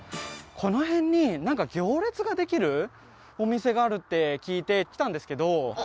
この辺になんか行列ができるお店があるって聞いて来たんですけど。